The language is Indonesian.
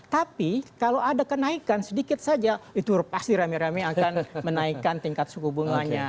tapi kalau ada kenaikan sedikit saja itu pasti rame rame akan menaikkan tingkat suku bunganya